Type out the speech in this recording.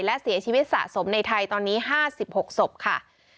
และเสียชีวิตสะสมในไทยตอนนี้๕๖ศพค่ะ